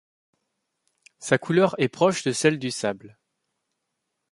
Sa couleur est proche de celle du sable.